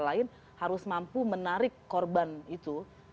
lain harus mampu menarik korban itu